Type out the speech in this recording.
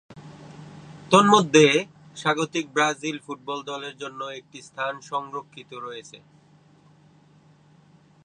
তন্মধ্যে, স্বাগতিক Brazil football দলের জন্য একটি স্থান সংরক্ষিত রয়েছে।